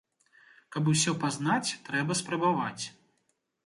Каб усё пазнаць, трэба спрабаваць.